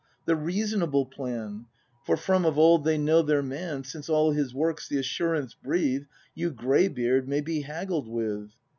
The reasonable plan! For from of old they know their man; — Since all his works the assurance breathe: "Yon gray beard may be haggled with!"